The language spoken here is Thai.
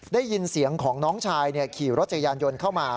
ได้ยินเสียงของน้องชายขี่รถจักรยานยนต์เข้ามา